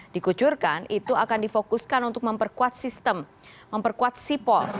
dikucurkan itu akan difokuskan untuk memperkuat sistem memperkuat sipol